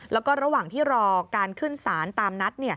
แล้วก็ระหว่างที่รอการขึ้นศาลตามนัด